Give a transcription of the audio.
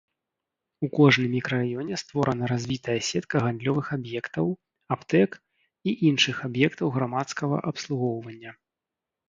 У кожным мікрараёне створана развітая сетка гандлёвых аб'ектаў, аптэк і іншых аб'ектаў грамадскага абслугоўвання.